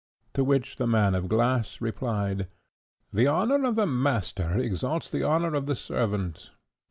To which the man of glass replied, "The honour of the master exalts the honour of the servant.